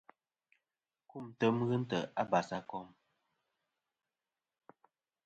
Kumtem ghɨ ntè' a basakom.